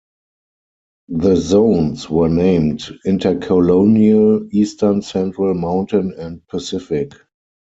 The zones were named Intercolonial, Eastern, Central, Mountain, and Pacific.